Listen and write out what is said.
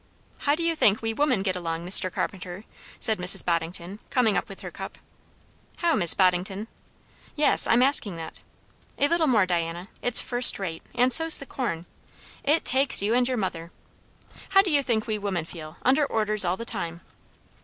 "How do you think we women get along, Mr. Carpenter?" said Mrs Boddington, coming up with her cup. "How, Mis' Boddington?" "Yes, I'm asking that. A little more, Diana; it's first rate, and so's the corn. It takes you and your mother! How do you think we women feel, under orders all the time?"